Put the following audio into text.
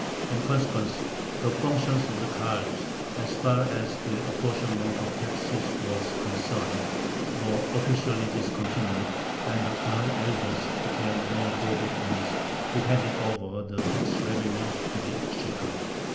In consequence, the functions of the Kahals, as far as the apportionment of the taxes was concerned, were officially discontinued, and the Kahal elders became mere go betweens, who handed over the tax revenues to the exchequer.